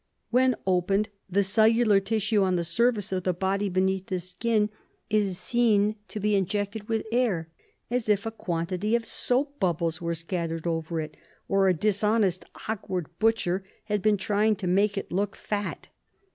"When opened, the cellular tissue on the surface of the body beneath the skin is seen to be injected with air, as if a quantity of soap bubbles were scattered over it, or a dis honest, awkward butcher had been trying to make it look fat.